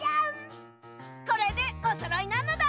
これでおそろいなのだ！